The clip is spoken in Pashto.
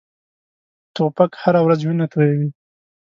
توپک هره ورځ وینه تویوي.